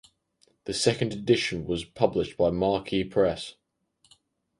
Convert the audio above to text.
The second edition was published by Marquee Press.